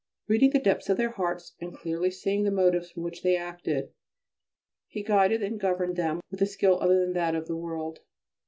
Reading the depths of their hearts and clearly seeing the motives from which they acted, he guided and governed them with a skill other than that of this world.